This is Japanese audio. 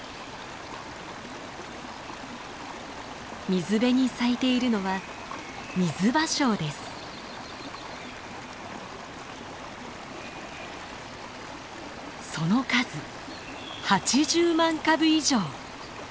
水辺に咲いているのはその数８０万株以上。